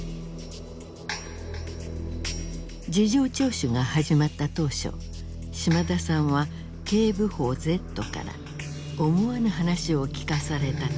事情聴取が始まった当初島田さんは警部補Ｚから思わぬ話を聞かされたという。